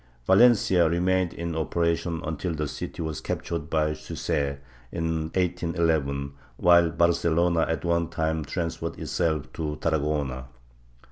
Valencia remained in operation until the city was captured by Suchet, in 1811, while Bar celona at one time transferred itself to Tarragona.